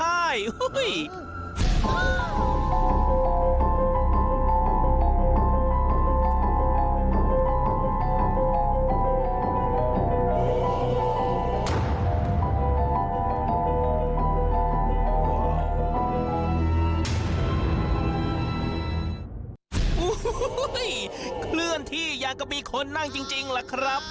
โอ้โหเคลื่อนที่อย่างกับมีคนนั่งจริงล่ะครับ